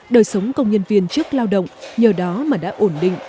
đời sống công nhân viên trước lao động nhờ đó mà đã ổn định